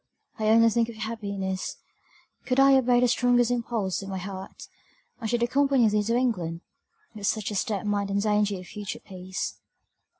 I only think of your happiness; could I obey the strongest impulse of my heart, I should accompany thee to England; but such a step might endanger your future peace."